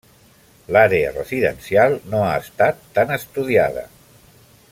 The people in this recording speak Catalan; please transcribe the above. L'àrea residencial no ha estat tan estudiada.